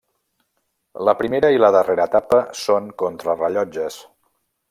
La primera i la darrera etapa són contrarellotges.